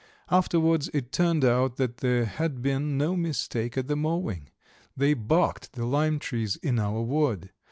Afterwards it turned out that there had been no mistake at the mowing. They barked the lime trees in our wood.